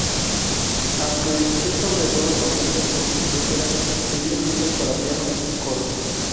Aunque es sobre todo conocido por sus óperas, escribió piezas para piano y coro.